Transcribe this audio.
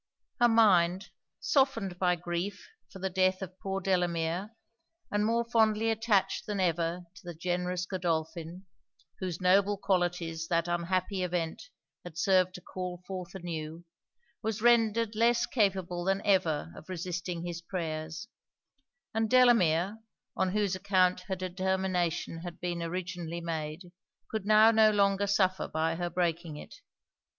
Her mind, softened by grief for the death of poor Delamere, and more fondly attached than ever to the generous Godolphin; whose noble qualities that unhappy event had served to call forth anew, was rendered less capable than ever of resisting his prayers; and Delamere, on whose account her determination had been originally made, could now no longer suffer by her breaking it.